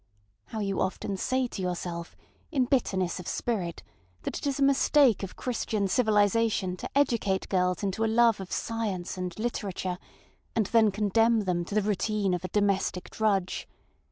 How you often say to yourself, in bitterness of spirit, that it is a mistake of Christian civilization to educate girls into a love of science and literature, and then condemn them to the routine of a domestic drudge.